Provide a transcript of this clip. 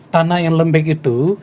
tanah yang lembek itu